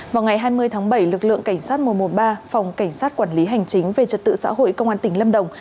vào ngày hai mươi tháng bảy lực lượng cảnh sát một trăm một mươi ba phòng cảnh sát quản lý hành chính về trật tự xã hội công an tỉnh lâm đồng